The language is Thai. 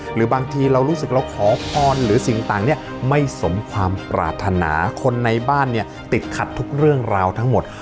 หรือบางทีเรารู้สึกเราขอพรหรือสิ่งต่างเนี่ยไม่สมความปรารถนาคนในบ้านเนี่ยติดขัดทุกเรื่องราวทั้งหมด